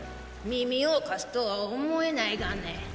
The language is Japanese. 耳を貸すとは思えないがね。